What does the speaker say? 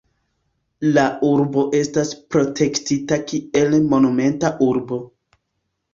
La urbo estas protektita kiel Monumenta Urbo.